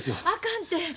あかんて。